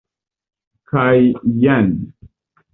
Kaj jen.